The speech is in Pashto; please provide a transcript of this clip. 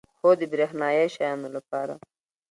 هو، د بریښنایی شیانو لپاره